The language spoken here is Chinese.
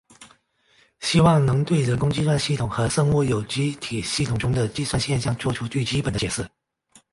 希望能对人工计算系统和生物有机体系统中的计算现象做出最基本的解释。